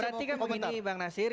berarti kan begini bang nasir